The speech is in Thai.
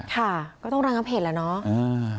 ค่ะก็ต้องระงับเหตุแล้วเนาะ